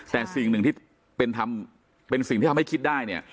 แต่สิ่งหนึ่งที่เป็นสิ่งที่ทำให้คิดได้